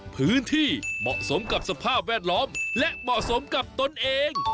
พื้นที่เหมาะสมกับสภาพแวดล้อมและเหมาะสมกับตนเอง